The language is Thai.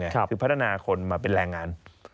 คือพัฒนาคนมาเป็นแรงงาน